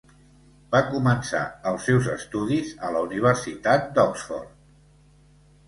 Va començar els seus estudis a la Universitat d'Oxford.